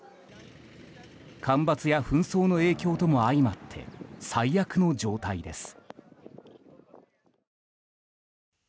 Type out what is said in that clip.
干ばつや紛争の影響とも相まって最悪の状態です。